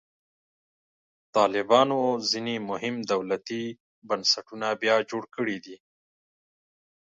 طالبانو ځینې مهم دولتي بنسټونه بیا جوړ کړي دي.